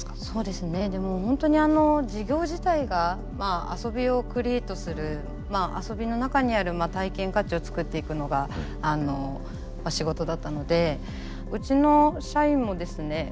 そうですねでも本当に事業自体が遊びをクリエートするまあ遊びの中にある体験価値を作っていくのが仕事だったのでうちの社員もですね